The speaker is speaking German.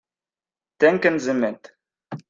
Denken Sie mit.